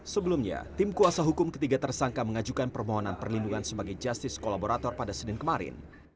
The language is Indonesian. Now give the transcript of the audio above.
sebelumnya tim kuasa hukum ketiga tersangka mengajukan permohonan perlindungan sebagai justice kolaborator pada senin kemarin